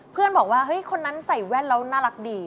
เพื่อนบอกว่าเฮ้ยคนนั้นใส่แว่นแล้วน่ารักดี